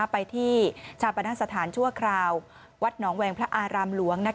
ไปที่ชาปนสถานชั่วคราววัดหนองแวงพระอารามหลวง